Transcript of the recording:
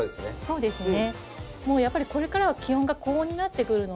そうですね。